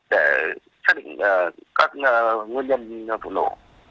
để xác định các nguyên nhân phụ nổ